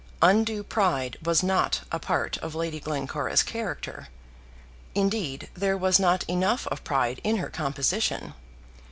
Undue pride was not a part of Lady Glencora's character. Indeed, there was not enough of pride in her composition.